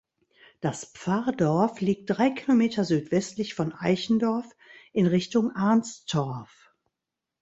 Das Pfarrdorf liegt drei Kilometer südwestlich von Eichendorf in Richtung Arnstorf.